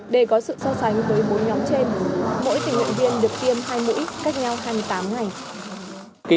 để có sự so sánh với bốn nhóm trên mỗi tình nguyện viên được tiêm hai mũi cách nhau hai mươi tám ngày